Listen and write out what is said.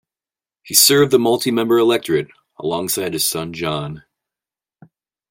He served the multi-member electorate alongside his son John.